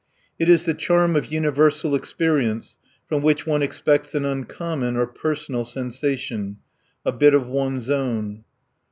It is the charm of universal experience from which one expects an uncommon or personal sensation a bit of one's own.